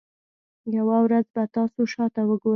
یوه ورځ به تاسو شاته وګورئ.